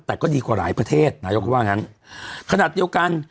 แต่ก็ดีกว่าหลายประเทศนายกเขาว่างั้นขนาดเดียวกัน